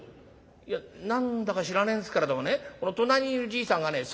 「いや何だか知らねえんですけれどもねこの隣にいるじいさんがね